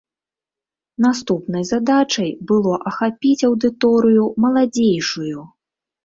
Наступнай задачай было ахапіць аўдыторыю маладзейшую.